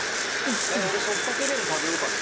俺ソフトクリーム食べようかな。